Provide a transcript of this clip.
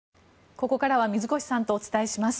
ここからは水越さんとお伝えします。